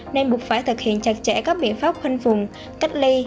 nên buộc phải thực hiện chặt chẽ các biện pháp khuân phùng cách ly